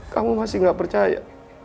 kamu masih gak percaya